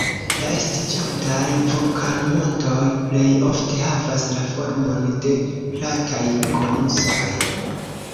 La estiĝantaj vulkanmontoj plej ofte havas la formon de plataj konusoj.